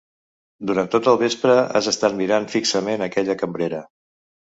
Durant tot el vespre has estat mirant fixament aquella cambrera!